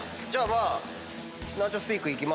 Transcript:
まあナーチョスピークいきますね。